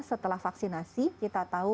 setelah vaksinasi kita tahu